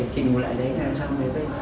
trình ngồi lại đấy